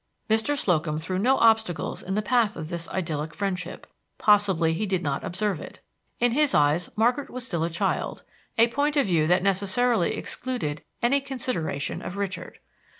Mr. Slocum threw no obstacles in the path of this idyllic friendship; possibly he did not observe it. In his eyes Margaret was still a child, a point of view that necessarily excluded any consideration of Richard.